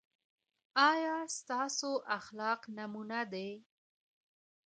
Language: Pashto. ایا ستاسو اخلاق نمونه دي؟